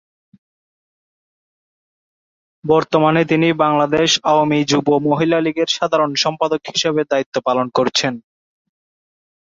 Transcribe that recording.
বর্তমানে তিনি বাংলাদেশ আওয়ামী যুব মহিলা লীগের সাধারণ সম্পাদক হিসাবে দায়িত্ব পালন করছেন।